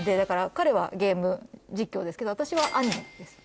彼はゲーム実況ですけど私はアニメです。